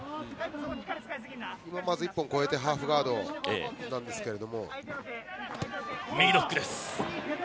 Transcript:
まず一本越えてハーフガードなんですけど。